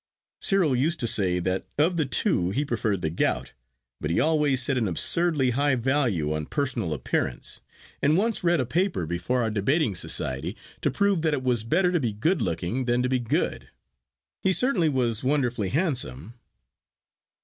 Cyril used to say that of the two he preferred the gout; but he always set an absurdly high value on personal appearance, and once read a paper before our debating society to prove that it was better to be good looking than to be good. He certainly was wonderfully handsome.